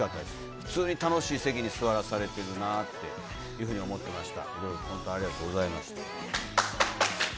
普通に楽しい席に座らされてるなというふうに思ってました。